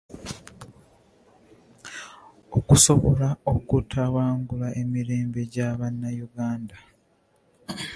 Okusobola okutabangula emirembe gya Bannayuganda.